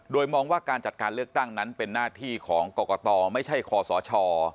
โดยมองว่าการจัดการเลือกตั้งนั้นเป็นหน้าที่ของกรกตไม่ใช่คอสช